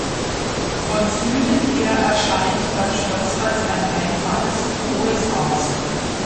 Von Süden her erscheint das Schloss als ein einfaches hohes Haus.